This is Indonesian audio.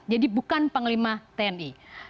jadi bukan panglima tni